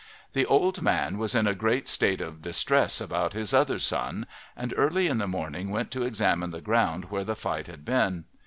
The old man was in a great state of distress about his other son, and early in the morning went to examine the ground where the fight had been.